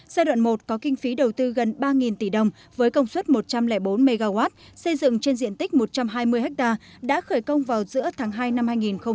giai đoạn một có kinh phí đầu tư gần ba tỷ đồng với công suất một trăm linh bốn mw xây dựng trên diện tích một trăm hai mươi ha đã khởi công vào giữa tháng hai năm hai nghìn hai mươi